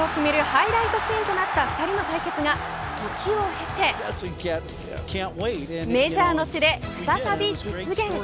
ハイライトシーンとなった２人の対決が時を経てメジャーの地で、再び実現。